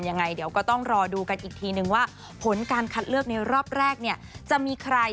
ยังไงเดี๋ยวก็ต้องรอดูกันอีกทีนึงว่าผลการคัดเลือกในรอบแรกเนี่ยจะมีใคร